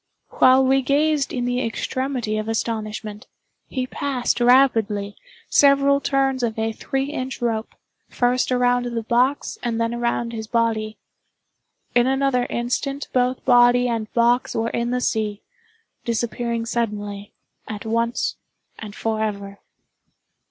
While we gazed in the extremity of astonishment, he passed, rapidly, several turns of a three inch rope, first around the box and then around his body. In another instant both body and box were in the sea—disappearing suddenly, at once and forever.